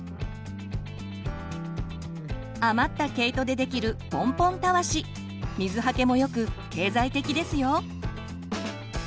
余った毛糸でできるポンポンたわし水はけもよく経済的ですよ。